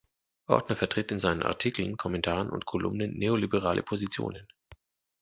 Ortner vertritt in seinen Artikeln, Kommentaren und Kolumnen neoliberale Positionen.